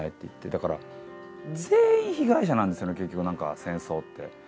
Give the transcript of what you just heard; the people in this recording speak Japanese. だから、全員被害者なんですよね、結局なんか戦争って。